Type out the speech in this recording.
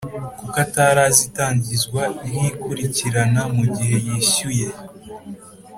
Kuko atari azi itangizwa ry’ikurikirana mu gihe yishyuye